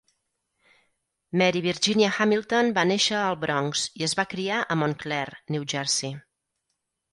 Mary Virginia Hamilton va néixer al Bronx i es va criar a Montclair (New Jersey).